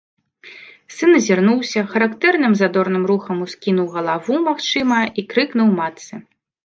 Сын азірнуўся, характэрным задорным рухам ускінуў галаву, магчыма, і крыкнуў матцы.